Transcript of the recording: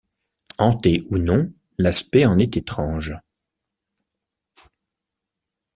Hantée ou non, l’aspect en est étrange.